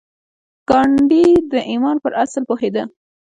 ګاندي د ايمان پر اصل پوهېده.